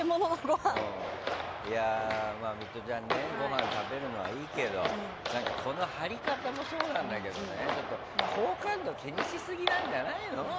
ミトちゃんごはん食べるのはいいけどこの貼り方もそうなんだけどね好感度気にしすぎなんじゃないの？